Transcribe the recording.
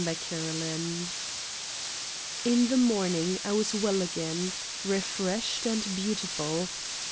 ## In the morning I was well again, refreshed and beautiful.